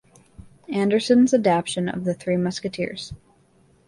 Anderson's adaptation of "The Three Musketeers".